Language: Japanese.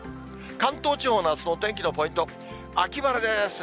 関東地方のあすのお天気のポイント、秋晴れです。